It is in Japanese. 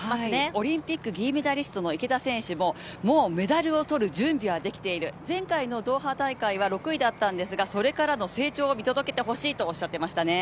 オリンピック銀メダリスト池田選手ももうメダルを取る準備はできている前回のドーハ大会は６位だったんですがそれからの成長を見届けてほしいとおっしゃっていましたね。